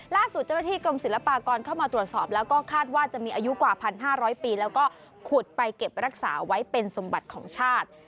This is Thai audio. ล่าสุดเจ้าหน้าที่กรมศิลปากรเข้ามาตรวจสอบแล้วก็คาดว่าจะมีอายุกว่า๑๕๐๐ปีแล้วก็ขุดไปเก็บรักษาไว้เป็นสมบัติของชาติ